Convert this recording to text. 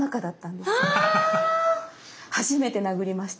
初めて殴りました。